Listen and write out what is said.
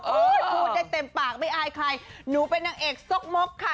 พูดได้เต็มปากไม่อายใครหนูเป็นนางเอกซกมกค่ะ